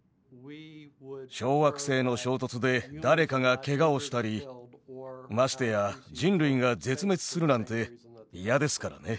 小惑星の衝突で誰かがけがをしたりましてや人類が絶滅するなんて嫌ですからね。